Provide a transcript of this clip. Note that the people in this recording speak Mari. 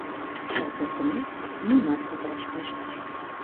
Жап эртымек, нунат кутыраш пижыч.